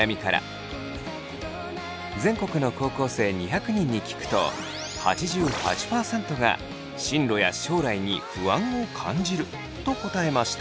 全国の高校生２００人に聞くと８８％が進路や将来に不安を感じると答えました。